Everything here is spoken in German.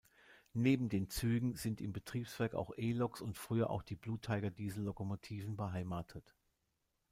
Neben den Zügen sind im Betriebswerk auch E-Loks und früher auch die Blue-Tiger-Diesellokomotiven beheimatet.